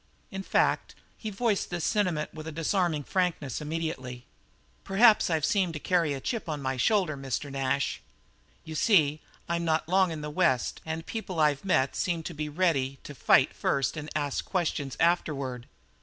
In fact, he voiced this sentiment with a disarming frankness immediately. "Perhaps I've seemed to be carrying a chip on my shoulder, Mr. Nash. You see, I'm not long in the West, and the people I've met seem to be ready to fight first and ask questions afterward.